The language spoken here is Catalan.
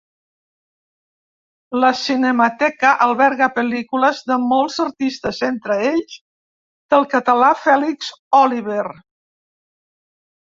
La Cinemateca alberga pel·lícules de molts artistes, entre ells, del català Fèlix Oliver.